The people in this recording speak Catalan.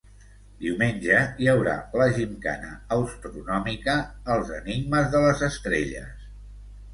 Diumenge hi haurà la gimcana astronòmica ‘Els enigmes de les estrelles’.